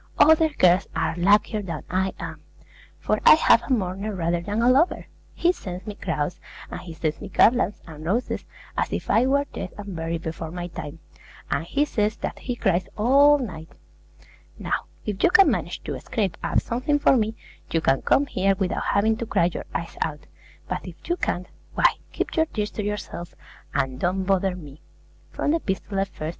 Other girls are luckier than I am; for I have a mourner rather than a lover. He sends me crowns, and he sends me garlands and roses, as if I were dead and buried before my time, and he says that he cries all night. Now, if you can manage to scrape up something for me, you can come here without having to cry your eyes out; but if you can't, why, keep your tears to yourself, and don't bother me! From the 'Epistolae,' i. 36.